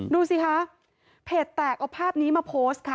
ดูสิคะเพจแตกเอาภาพนี้มาโพสต์ค่ะ